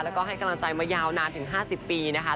แล้วก็ให้กำลังใจมายาวนานถึง๕๐ปีนะคะ